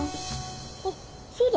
あそうだ！